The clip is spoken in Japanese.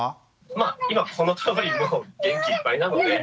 まあ今このとおりもう元気いっぱいなので。